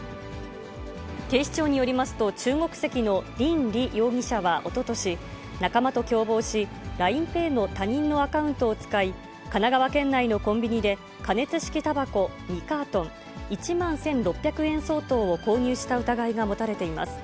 警視庁によりますと、中国籍の林俐容疑者はおととし、仲間と共謀し、ＬＩＮＥＰａｙの他人のアカウントを使い、神奈川県内のコンビニで、加熱式たばこ２カートン、１万１６００円相当を購入した疑いが持たれています。